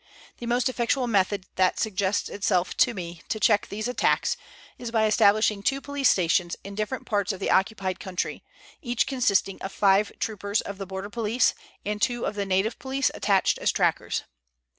The most effectual method that suggests itself to me to check these attacks, is by establishing two police stations in different parts of the occupied country, each consisting of five troopers of the border police, and two of the native police attached as trackers.